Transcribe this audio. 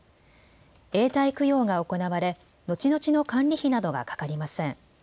永代供養が行われ、のちのちの管理費などはかかりません。